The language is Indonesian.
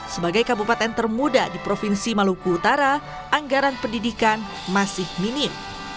sebagai kabupaten termuda di provinsi maluku utara anggaran pendidikan masih minim